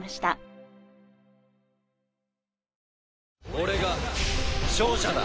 俺が勝者だ！